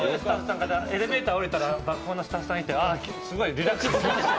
エレベーター降りたら「爆報」のスタッフさんがいてすごいリラックスした。